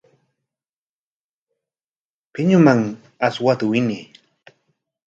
Puyñuman aswata winay.